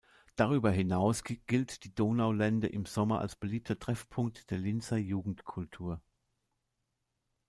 Darüber hinaus gilt die Donaulände im Sommer als beliebter Treffpunkt der Linzer Jugendkultur.